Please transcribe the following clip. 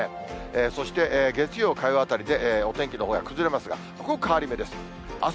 そして月曜、火曜あたりでお天気のほうが崩れますが、ここ、変わり目です。